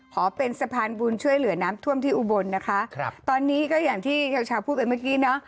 ขอเป็นสะพานบุญช่วยเหลือน้ำท่วมที่อุบลนะคะครับตอนนี้ก็อย่างที่ชาวชาวพูดไปเมื่อกี้เนอะ